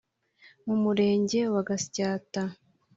mu Murenge wa Gatsata